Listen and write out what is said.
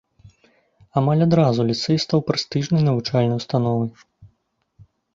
Амаль адразу ліцэй стаў прэстыжнай навучальнай установай.